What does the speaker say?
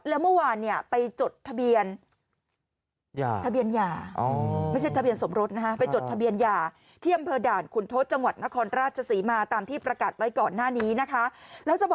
แล้วเมื่อวานไปจด๓๖